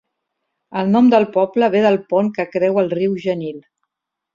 El nom del poble ve del pont que creua el riu Genil.